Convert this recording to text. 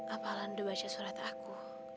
apa lan udah baca surat aku